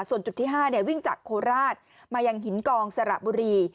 ส่วนจุดที่๕วิ่งจากโคราชมายังหินกองสระบุรี